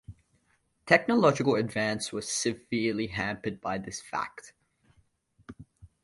Technological advance was severely hampered by this fact.